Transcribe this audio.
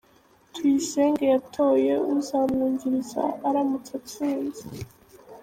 Tuyisenge yatoye uzamwungiriza aramutse atsinze